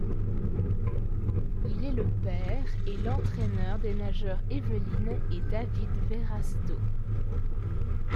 Il est le père et l'entraîneur des nageurs Evelyn et Dávid Verrasztó.